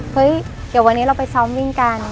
เฮ้ยเดี๋ยววันนี้เราไปซ้อมวิ่งกัน